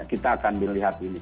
kita akan melihat ini